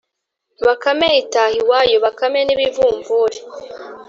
bakame itaha iwayo. bakame n’ibivumvuri